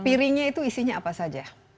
piringnya itu isinya apa saja